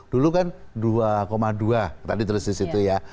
dulu kan dua dua tadi tulis di situ ya